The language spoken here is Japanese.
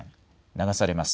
流されます。